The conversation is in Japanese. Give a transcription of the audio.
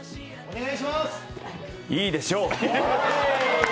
いいでしょう。